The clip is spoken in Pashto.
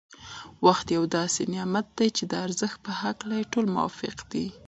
وخت یو داسې نعمت دی چي د ارزښت په هکله يې ټول موافق دی.